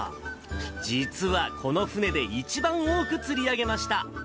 実はこの船で一番多く釣り上げました。